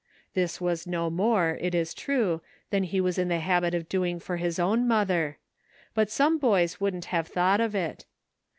This was no more, it is true, than he was in the habit of doing for his own mother ; but some boys wouldn't have thought of it.